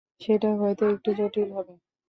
সেটা হয়তো একটু জটিল হবে।